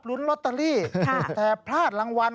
ลอตเตอรี่แต่พลาดรางวัล